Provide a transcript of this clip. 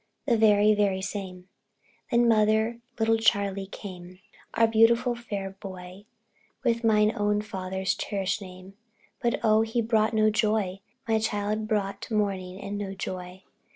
The very, very same. Then, mother, little Charley came Our beautiful fair boy, With my own father's cherished name But oh, he brought no joy! My child Brought mourning, and no joy.